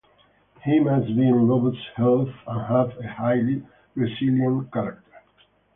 He must be in robust health and have a highly resilient character.